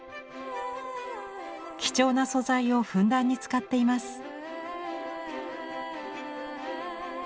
貴重な素材をふんだんに使っています。